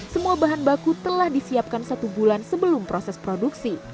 semua bahan baku telah disiapkan satu bulan sebelum proses produksi